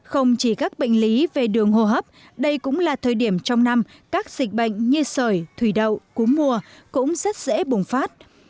không chỉ các bệnh lý về đường hô hấp đây cũng là thời điểm trong năm các dịch bệnh như sởi thủy đậu cúm mùa cũng rất dễ bùng phát